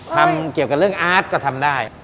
ทำเกี่ยวกับเรื่องอาร์ตก็ทำได้